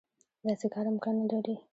داسې کار امکان نه لري.